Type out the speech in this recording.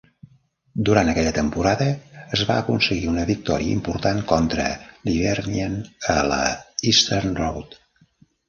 Durant aquella temporada, es va aconseguir una victòria important contra l"Hibernian a la Easter Road.